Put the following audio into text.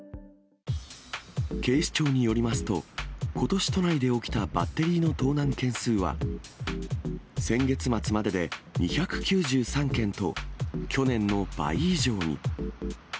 警視庁によりますと、ことし、都内で起きたバッテリーの盗難件数は、先月末までで２９３件と、去年の倍以上に。